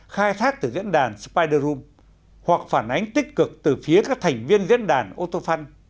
khai thác từ diễn đàn spider room hoặc phản ánh tích cực từ phía các thành viên diễn đàn autofun